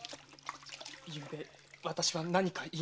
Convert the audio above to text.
ゆうべ私は何か言いましたか？